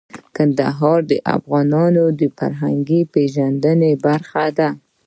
کندهار د افغانانو د فرهنګي پیژندنې برخه ده.